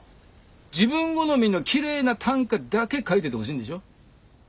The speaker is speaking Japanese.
自分好みのきれいな短歌だけ書いててほしいんでしょ。